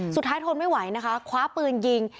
สุดท้ายทนไม่ไหวนะคะคว้าปืนยิง